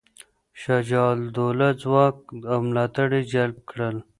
شجاع الدوله ځواک او ملاتړي جلب کړل.